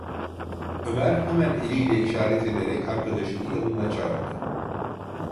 Ömer hemen eliyle işaret ederek arkadaşını yanına çığırdı.